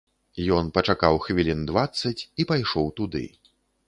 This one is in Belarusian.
Ён пачакаў хвілін дваццаць і пайшоў туды.